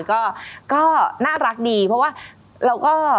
ก็น่ารักดีเพราะว่า